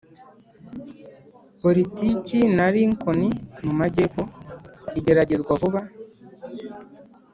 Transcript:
politiki ya lincoln mu majyepfo irageragezwa vuba